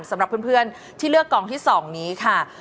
สำหรับเพื่อนที่เลือกกองที่๒นี้ค่ะ